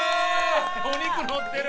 お肉のってる！